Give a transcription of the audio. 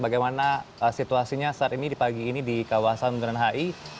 bagaimana situasinya saat ini di pagi ini di kawasan bundaran hi